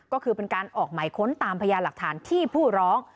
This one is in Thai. ก็คือเป็นการออกหมายค้นตามพยานหลักฐานที่ผู้ร้อง